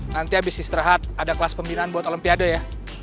nanti abis istirahat ada kelas pembinaan buat olympiade ya